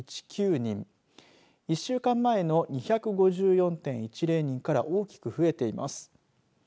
１週間前の２５４．１０人から大きく増えています。